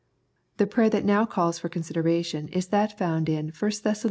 The prayer that now calls for consideration is that found in i Thess.